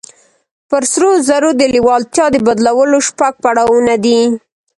پر سرو زرو د لېوالتیا د بدلولو شپږ پړاوونه دي.